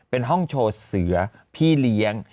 เป็นห้องโชว์เสือพี่เลี้ยง